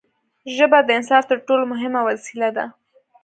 ژبه د انسان تر ټولو مهمه وسیله ده.